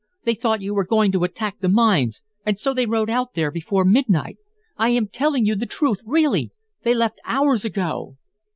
They thought you were going to attack the mines and so they rode out there before midnight. I am telling you the truth, really. They left hours ago."